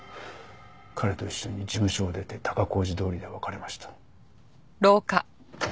彼と一緒に事務所を出て高小路通りで別れました。